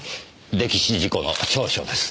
溺死事故の調書です。